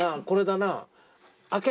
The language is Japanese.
これだな。